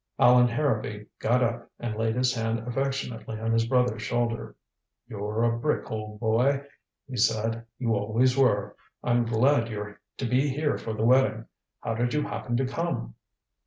Allan Harrowby got up and laid his hand affectionately on his brother's shoulder. "You're a brick, old boy," he said. "You always were. I'm glad you're to be here for the wedding. How did you happen to come?"